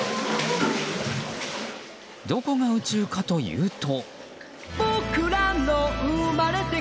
どこが宇宙かというと。